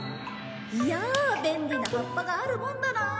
いや便利な葉っぱがあるもんだなあ。